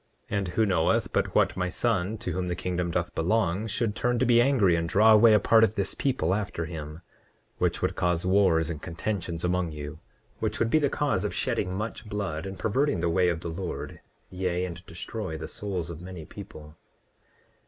And who knoweth but what my son, to whom the kingdom doth belong, should turn to be angry and draw away a part of this people after him, which would cause wars and contentions among you, which would be the cause of shedding much blood and perverting the way of the Lord, yea, and destroy the souls of many people.